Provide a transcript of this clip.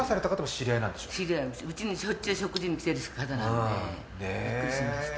知り合いです、うちにしょっちゅう食事に来ている方なんでびっくりしました。